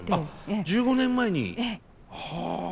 １５年前にはあ。